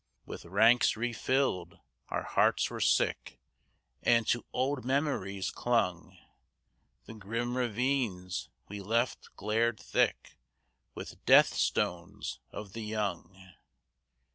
With ranks re filled, our hearts were sick, And to old memories clung; The grim ravines we left glared thick With death stones of the young.